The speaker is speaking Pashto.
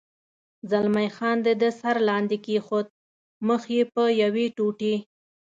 زلمی خان د ده سر لاندې کېښود، مخ یې په یوې ټوټې.